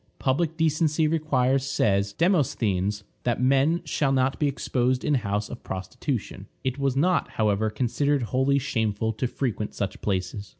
Public decency requires, says Demosthenes, that men shall not be exposed in houses of prostitution. It was not, however, considered wholly shameful to frequent such places.